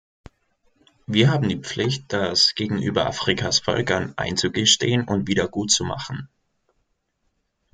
Wir haben die Pflicht, das gegenüber Afrikas Völkern einzugestehen und wiedergutzumachen.